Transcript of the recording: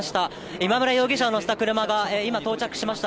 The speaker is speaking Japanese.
今村容疑者を乗せた車が今、到着しました。